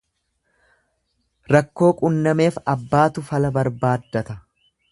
Rakkoo qunnameef abbaatu fala barbaaddata.